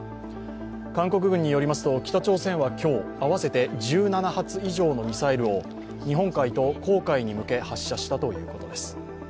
韓国軍によりますと北朝鮮は今日合わせて１７発以上のミサイルを日本海と黄海に向け発射したということです。